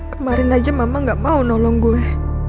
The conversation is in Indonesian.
kemarin aja mama gak mau nolong gue